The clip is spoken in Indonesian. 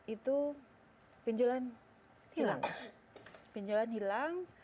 itu benjolan hilang